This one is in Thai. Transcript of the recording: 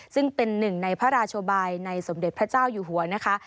ซึ่งเป็นหนึ่งในพระราชบายในสมเด็จพระเจ้าอยู่หัวนะคะ